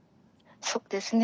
そうですね。